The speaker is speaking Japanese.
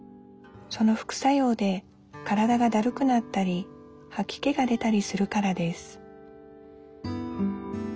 その副作用で体がだるくなったりはき気が出たりするからです